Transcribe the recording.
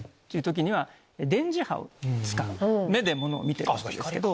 目でものを見てるんですけど。